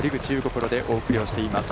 プロでお送りをしています。